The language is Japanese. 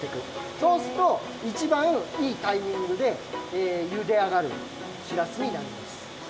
そうすっといちばんいいタイミングでゆであがるしらすになります。